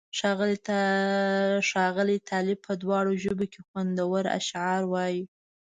ښاغلی طالب په دواړو ژبو کې خوندور اشعار وایي.